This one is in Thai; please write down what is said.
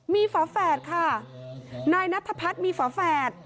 มีฝาแฝดค่ะนายนัทพัฒน์มีฝาแฝด